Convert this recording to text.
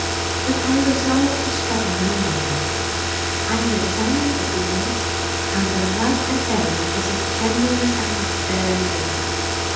But I resolved to struggle no longer; I have examined the feeling; and the love I bear you is as genuine as that I could bear any woman!